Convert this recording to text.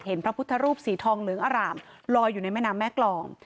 พระพุทธรูปสีทองเหลืองอร่ามลอยอยู่ในแม่น้ำแม่กรอง